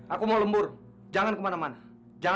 aku mau lembur jangan kemana mana